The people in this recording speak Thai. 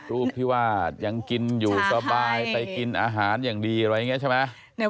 รูปที่ว่ายังกินอยู่สบายไปกินอาหารอย่างดี